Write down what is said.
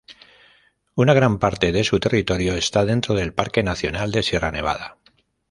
Una gran parte de su territorio está dentro del Parque nacional de Sierra Nevada.